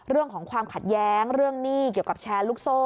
เรื่องของความขัดแย้งเรื่องหนี้เกี่ยวกับแชร์ลูกโซ่